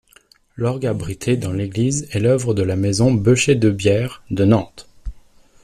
L'orgue abrité dans l'église est l'œuvre de la maison Beuchet-Debierre de Nantes.